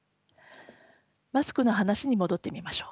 マスクの話に戻ってみましょう。